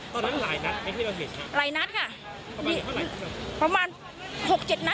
ตอนนั้นหลายนัดไหมที่เราเห็นค่ะ